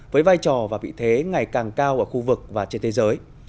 với vai trò và vị thế ngày càng cao ở khu vực và trên thế giới